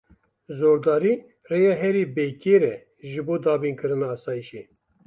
Zordarî, rêya herî bêkêr e ji bo dabînkirina asayîşê.